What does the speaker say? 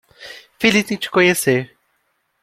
Feliz em te conhecer.